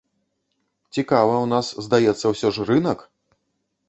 Цікава, у нас, здаецца, усё ж, рынак.